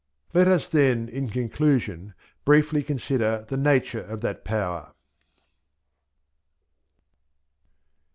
Let us, then, in conclusion briefly consider the nature of that power.